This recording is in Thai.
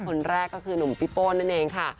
คนแรกก็คือหนุ่มพี่โป้นั่นเองค่ะ